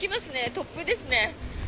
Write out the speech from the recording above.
突風ですね。